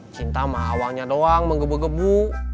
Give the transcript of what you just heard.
cinta sama awalnya doang menggebu gebu